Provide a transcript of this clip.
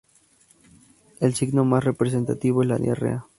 El signo más representativo es la diarrea.